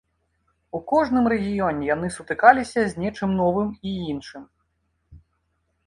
У кожным рэгіёне яны сутыкаліся з нечым новым і іншым.